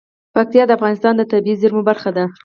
پکتیا د افغانستان د طبیعي زیرمو برخه ده.